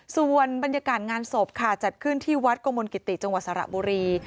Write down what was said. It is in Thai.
ส่วนบรรยากาศงานศพค่ะจัดขึ้นที่วัดกมลกิติจังหวัดสระบุรี